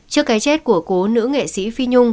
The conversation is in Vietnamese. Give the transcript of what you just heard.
trước cái chết của cố nữ nghệ sĩ phi nhung